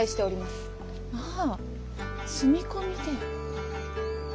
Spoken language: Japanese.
まあ住み込みで？